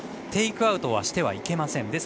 テイクアウトしてはいけません。